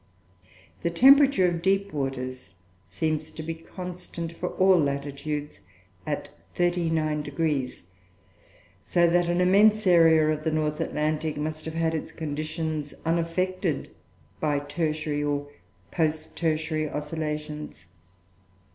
The temperature of deep waters seems to be constant for all latitudes at 39°; so that an immense area of the North Atlantic must have had its conditions unaffected by tertiary or post tertiary oscillations."